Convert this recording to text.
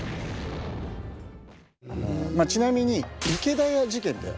ちなみに池田屋事件って。